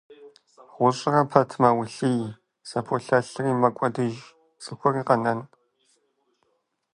ГъущӀрэ пэт мэулъий, зэполъэлъри мэкӀуэдыж, цӀыхур къэнэн?!